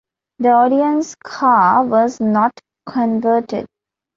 The audience car was not converted.